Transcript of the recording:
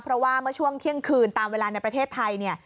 เพราะว่าเมื่อช่วงเที่ยงคืนตามเวลาในประเทศไทยเนี่ย